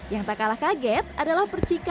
yang tak kalah kaget adalah percikan